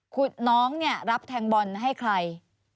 คุณน้องเนี่ยรับแทงบอลให้ใคร